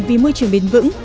vì môi trường bền vững